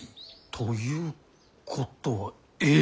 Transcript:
ということはええ！？